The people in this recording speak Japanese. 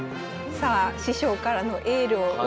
さあ師匠からのエールを受けて。